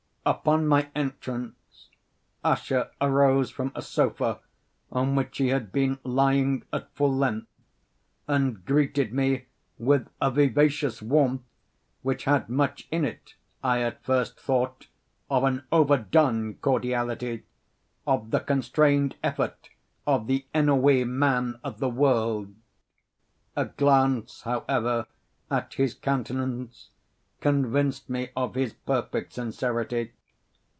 Upon my entrance, Usher arose from a sofa on which he had been lying at full length, and greeted me with a vivacious warmth which had much in it, I at first thought, of an overdone cordiality—of the constrained effort of the ennuyé man of the world. A glance, however, at his countenance, convinced me of his perfect sincerity.